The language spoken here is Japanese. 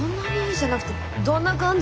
じゃなくて「どんな感じ？」